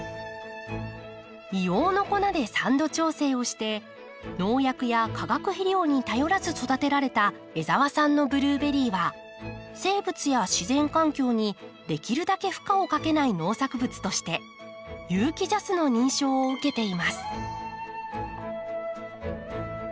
硫黄の粉で酸度調整をして農薬や化学肥料に頼らず育てられた江澤さんのブルーベリーは生物や自然環境にできるだけ負荷をかけない農作物として有機ＪＡＳの認証を受けています。